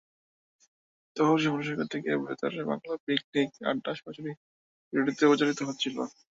তখন সমুদ্রসৈকত থেকেই বেতার বাংলার পিকনিক আড্ডা সরাসরি রেডিওতে প্রচারিত হচ্ছিল।